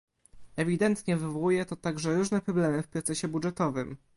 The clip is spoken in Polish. Ewidentnie wywołuje to także różne problemy w procesie budżetowym